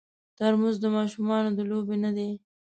ترموز د ماشومانو د لوبې نه دی.